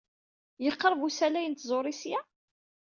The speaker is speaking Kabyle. Yeqreb usalay n tẓuri seg-a?